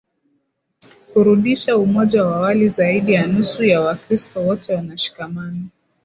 kurudisha umoja wa awali Zaidi ya nusu ya Wakristo wote wanashikamana